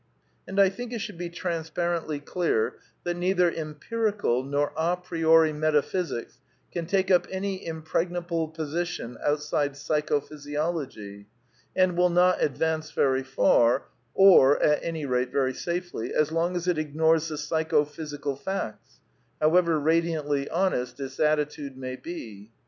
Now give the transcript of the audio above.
And I think it should be transparently clear that neither Aempirical nor a priori metaphysics can take up any im pregnable position outside Psychophysiology, and will not advance very far, or at any rate very safely, as long as it ignores the psychophysical facts, however radiantly honest its attitude may be.